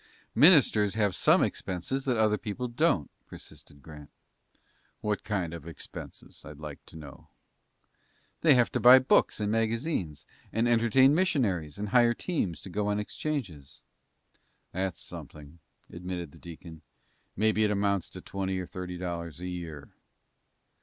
"Ministers have some expenses that other people don't," persisted Grant. "What kind of expenses, I'd like to know?" "They have to buy books and magazines, and entertain missionaries, and hire teams to go on exchanges." "That's something," admitted the deacon. "Maybe it amounts to twenty or thirty dollars a year."